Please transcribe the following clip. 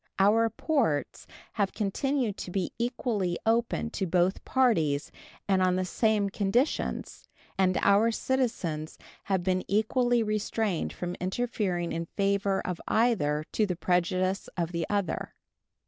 Our ports have continued to be equally open to both parties and on the same conditions, and our citizens have been equally restrained from interfering in favor of either to the prejudice of the other.